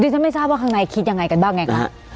ฉันไม่ทราบว่าข้างในคิดยังไงกันบ้างไงคะ